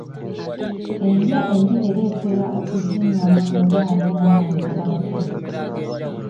Endya mbi ereetera okuzingama mu baana n'abantu abakulu.